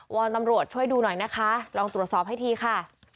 อนตำรวจช่วยดูหน่อยนะคะลองตรวจสอบให้ทีค่ะ